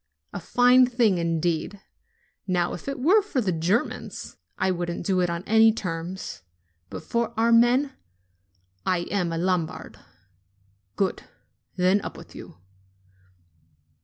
A fine thing, indeed! Now if it were for the Germans, I wouldn't do it on any terms ; but for our men ! I am a Lombard !" "Good ! Then up with you."